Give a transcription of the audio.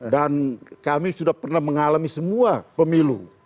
dan kami sudah pernah mengalami semua pemilu